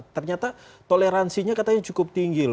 ternyata toleransinya katanya cukup tinggi loh